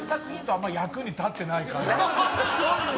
あんまり役になってない感じ。